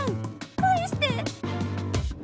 返して！